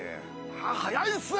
早いっすね。